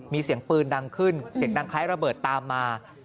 มีเสียงปืนดังขึ้นเสียงดังคล้ายระเบิดตามมา